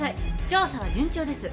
調査は順調です。